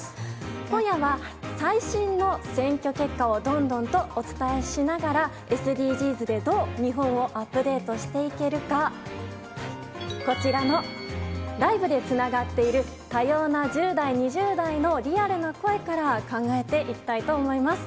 今夜は、最新の選挙結果をどんどんとお伝えしながら、ＳＤＧｓで、どう日本をアップデートしていけるか、こちらのライブでつながっている多様な１０代、２０代のリアルな声から考えていきたいと思います。